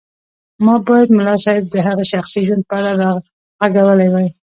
ما بايد ملا صيب د هغه شخصي ژوند په اړه راغږولی وای.